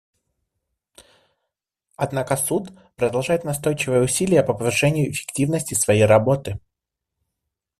Однако Суд продолжает настойчивые усилия по повышению эффективности своей работы.